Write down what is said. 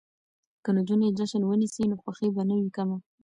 که نجونې جشن ونیسي نو خوښي به نه وي کمه.